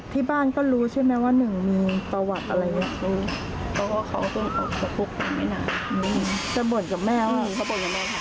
แต่ไม่รู้ว่าอาจจะเกิดมาจากสาเหตุการทนตั้งแต่ที่แล้วหรือเปล่า